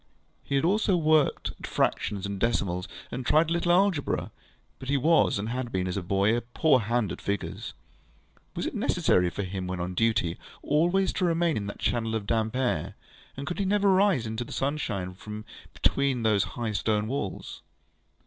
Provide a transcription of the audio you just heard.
He had also worked at fractions and decimals, and tried a little algebra; but he was, and had been as a boy, a poor hand at figures. Was it necessary for him when on duty always to remain in that channel of damp air, and could he never rise into the sunshine from between those high stone walls?